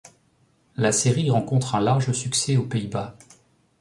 La série rencontre un large succès aux Pays-Bas.